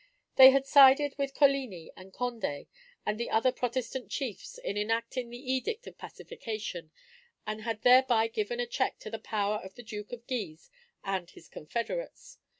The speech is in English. They had sided with Coligni and Condé and the other Protestant chiefs in enacting the Edict of Pacification, and had thereby given a check to the power of the Duke of Guise and his confederates.